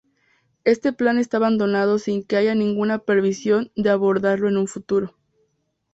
Este plan está abandonado sin que haya ninguna previsión de abordarlo en un futuro.